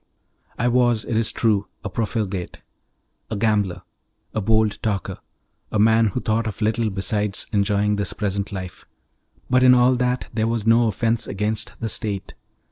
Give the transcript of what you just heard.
I was, it is true, a profligate, a gambler, a bold talker, a man who thought of little besides enjoying this present life, but in all that there was no offence against the state.